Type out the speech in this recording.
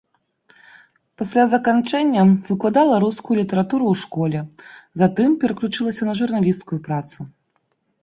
Пасля заканчэння выкладала рускую літаратуру ў школе, затым пераключылася на журналісцкую працу.